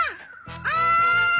おい！